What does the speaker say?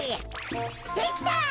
できた。